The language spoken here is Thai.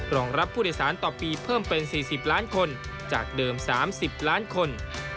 รองรับผู้โดยสารต่อปีเพิ่มเป็น๔๐ล้านคนจากเดิม๓๐ล้านคน